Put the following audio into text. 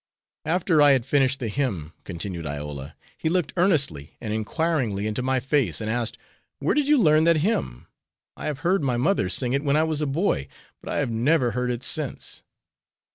"After I had finished the hymn," continued Iola, "he looked earnestly and inquiringly into my face, and asked, 'Where did you learn that hymn? I have heard my mother sing it when I was a boy, but I have never heard it since.'